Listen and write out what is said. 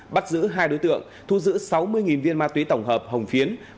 bắt giữ hai đối tượng thu giữ sáu mươi viên ma túy tổng hợp hồng phiến